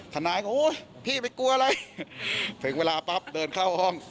ธนายก็โอ๊ยพี่ไม่กลัวอะไรเพิ่งเวลาปั๊บเดินเข้าห้อง